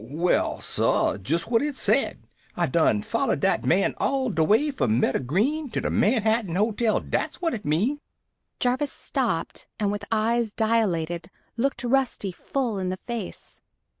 "Well, sah, jest what it said. I done followed dat man all de way from Meadow Green to de Manhattan Hotel, dat's what it mean." Jarvis stopped and, with eyes dilating, looked Rusty full in the face.